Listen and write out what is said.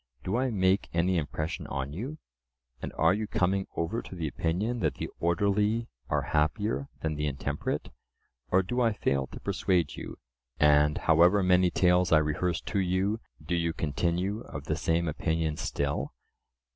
Do I make any impression on you, and are you coming over to the opinion that the orderly are happier than the intemperate? Or do I fail to persuade you, and, however many tales I rehearse to you, do you continue of the same opinion still?